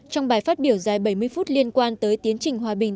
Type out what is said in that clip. trong bài phát biểu dài bảy mươi phút liên quan tới tiến trình hòa bình